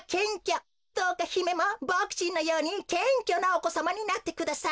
どうかひめもボクちんのようにけんきょなおこさまになってください。